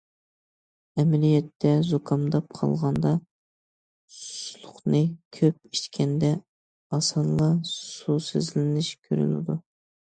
ئەمەلىيەتتە زۇكامداپ قالغاندا ئۇسسۇلۇقنى كۆپ ئىچكەندە، ئاسانلا سۇسىزلىنىش كۆرۈلىدۇ.